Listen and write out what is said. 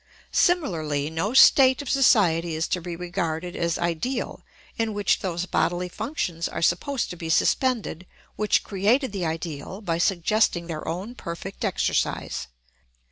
Similarly no state of society is to be regarded as ideal in which those bodily functions are supposed to be suspended which created the ideal by suggesting their own perfect exercise.